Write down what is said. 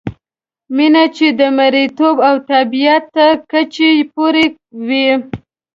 مینه چې د مریتوب او تابعیت تر کچې پورې وي.